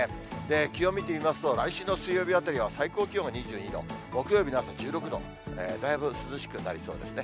気温見てみますと、来週の水曜日あたりは最高気温は２２度、木曜日の朝１６度。だいぶ涼しくなりそうですね。